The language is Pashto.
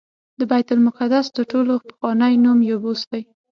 د بیت المقدس تر ټولو پخوانی نوم یبوس دی.